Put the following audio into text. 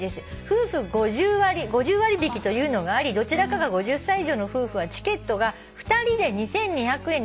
「夫婦５０割引というのがありどちらかが５０歳以上の夫婦はチケットが２人で２，２００円です」